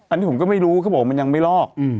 อันนี้ผมก็ไม่รู้เขาบอกว่ามันยังไม่ลอก